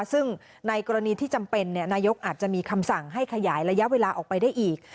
ซึ่งในกรณีที่จำเป็นนายกอาจจะมีคำสั่งให้ขยายระยะเวลาออกไปได้อีก